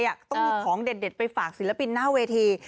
ต้องมีของเด็ดไปฝากศิลปินหน้าเวที